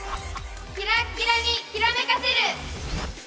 キラッキラにキラめかせる！